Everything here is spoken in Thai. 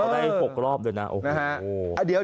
ได้๖รอบด้วยนะ